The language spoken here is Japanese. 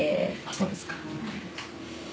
そうですか。